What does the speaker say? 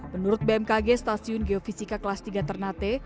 menurut bmkg stasiun geofisika kelas tiga ternate